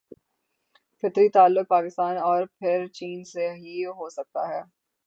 فطری تعلق پاکستان اور پھر چین سے ہی ہو سکتا ہے۔